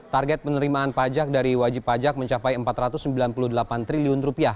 target penerimaan pajak dari wajib pajak mencapai rp empat ratus sembilan puluh delapan triliun